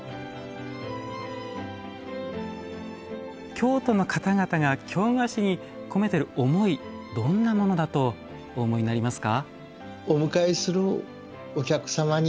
京都の方々が京菓子に込めてる思いどんなものだとお思いになりますか？